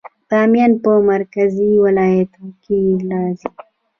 بامیان په مرکزي ولایتونو کې راځي